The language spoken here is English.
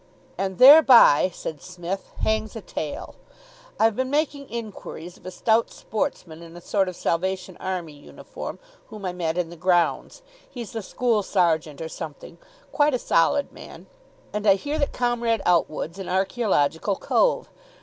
"And thereby," said Psmith, "hangs a tale. I've been making inquiries of a stout sportsman in a sort of Salvation Army uniform, whom I met in the grounds he's the school sergeant or something, quite a solid man and I hear that Comrade Outwood's an archaeological cove.